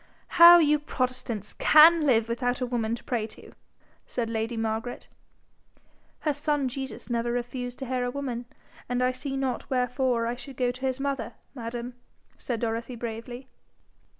'How you protestants CAN live without a woman to pray to!' said lady Margaret. 'Her son Jesus never refused to hear a woman, and I see not wherefore I should go to his mother, madam,' said Dorothy, bravely.